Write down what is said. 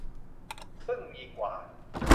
ซึ่งมีกว่า